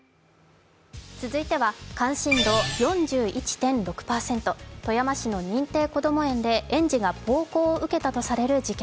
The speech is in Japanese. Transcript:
続いては関心度４６．１％、富山市の認定こども園で園児が暴行を受けたとされる事件。